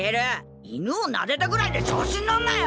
犬をなでたぐらいで調子に乗るなよ！